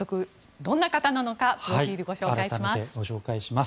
どんな方なのかプロフィルご紹介します。